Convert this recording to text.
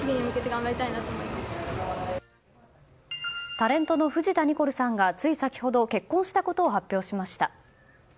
タレントの藤田ニコルさんがつい先ほど結婚したことを発表しました。